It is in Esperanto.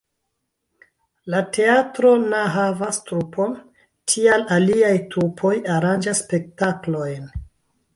La teatro na havas trupon, tial aliaj trupoj aranĝas spektaklojn.